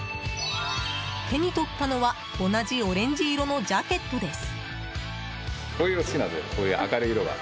手に取ったのは同じオレンジ色のジャケットです。